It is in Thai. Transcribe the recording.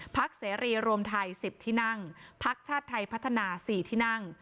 เสรีรวมไทย๑๐ที่นั่งพักชาติไทยพัฒนา๔ที่นั่ง